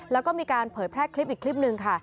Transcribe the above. แล้วก็มีการเผยแพร่คลิปอีกคลิปหนึ่งค่ะ